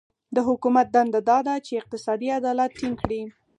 د حکومت دنده دا ده چې اقتصادي عدالت ټینګ کړي.